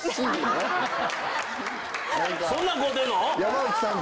そんなん買うてんの？